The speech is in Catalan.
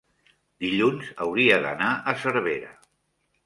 dilluns hauria d'anar a Cervera.